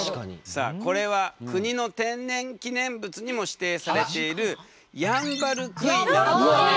さあこれは国の天然記念物にも指定されているヤンバルクイナの羽根。